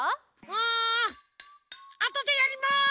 ああとでやります！